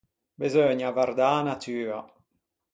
Beseugna avvardâ a natua.